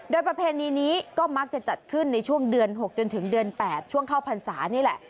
โดยประเพณีนี้ก็มักจะจัดขึ้นในช่วงเดือน๖จนถึงเดือน๘ช่วงเข้าพรรษานี่แหละ